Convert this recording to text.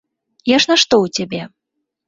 Я ж нашто ў цябе?